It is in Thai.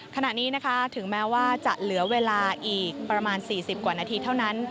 ขณะนี้นะคะถึงแม้ว่าจะเหลือเวลาอีกประมาณ๔๐กว่านาทีเท่านั้น